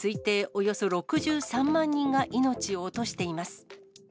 およそ６３万人が命を落としています。